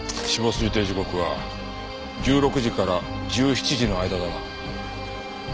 死亡推定時刻は１６時から１７時の間だな。